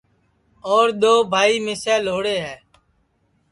اور دؔؔوبھائی مِسے لھوڑے ہے